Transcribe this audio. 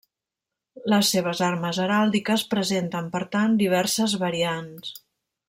Les seves armes heràldiques presenten, per tant, diverses variants.